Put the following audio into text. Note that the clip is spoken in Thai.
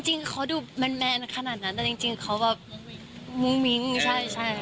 จริงเขาดูแมนขนาดนั้นแต่จริงเขาแบบมุ้งมิ้งใช่ใช่